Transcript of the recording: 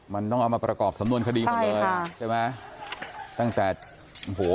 มันต้องเอามาประกอบสำนวนคดีหมดเลยใช่ไหมตั้งแต่โอ้โห